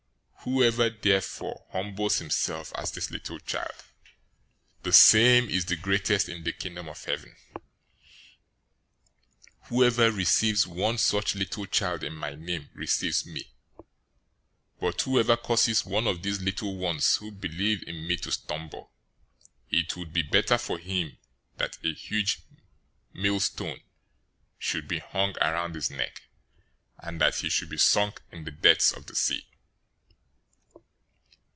018:004 Whoever therefore humbles himself as this little child, the same is the greatest in the Kingdom of Heaven. 018:005 Whoever receives one such little child in my name receives me, 018:006 but whoever causes one of these little ones who believe in me to stumble, it would be better for him that a huge millstone should be hung around his neck, and that he should be sunk in the depths of the sea.